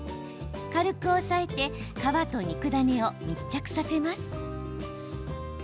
軽く押さえて皮と肉ダネを密着させます。